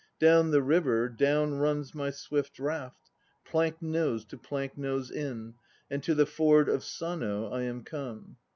Down the river, down Runs my swift raft plank nosed to Plank nose Inn, And to the Ford of Sano I am come.